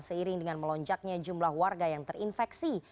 seiring dengan melonjaknya jumlah warga yang terinfeksi